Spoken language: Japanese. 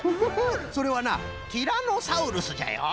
それはなティラノサウルスじゃよ。